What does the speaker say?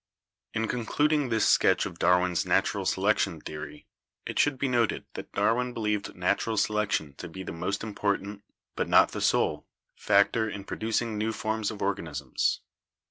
In concluding this sketch of Darwin's Natural Selection theory it should be noted that Darwin believed natural selection to be the most important, but not the sole, factor FACTORS OF EVOLUTION— SELECTION 205 in producing new forms of organisms.